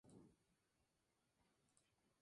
Esos cinco expertos.